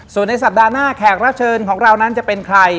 ส่วนในสัปดาห์หน้าแขกรับเชิญของเรานั้นจะเป็นใคร